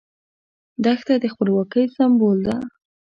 دښته د خپلواکۍ سمبول ده.